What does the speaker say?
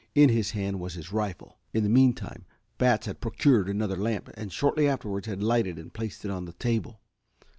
In his hand was his rifle. In the meantime Batts had procured another lamp and shortly afterwards had lighted and placed it on the table.